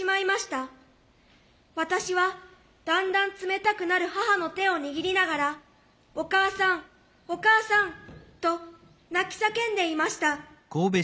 私はだんだん冷たくなる母の手を握りながらお母さんお母さんと泣き叫んでいました。